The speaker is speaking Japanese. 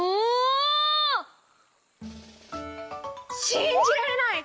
「しんじられない！